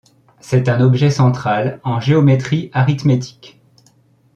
C'est un objet central en géométrie arithmétique.